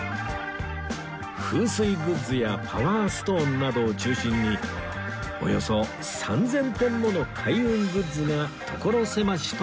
風水グッズやパワーストーンなどを中心におよそ３０００点もの開運グッズが所狭しと並んでいます